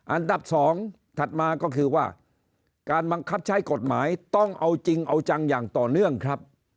อันดับ๒ถัดมาก็คือว่าการบังคับใช้กฎหมายต้องเอาจริงเอาจังอย่างต่อเนื่องครับ